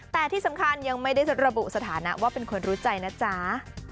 แต่ที่สำคัญยังไม่ได้ระบุสถานะว่าเป็นคนรู้ใจนะจ๊ะ